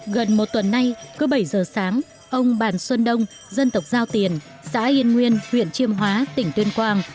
gần một tuần nay cứ bảy giờ sáng ông bàn xuân đông dân tộc giao tiền xã yên nguyên huyện chiêm hóa tỉnh tuyên quang